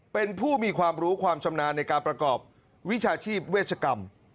เป็นผู้มีความรู้ความชำนาญในการประกอบวิชาชีพเวชกรรม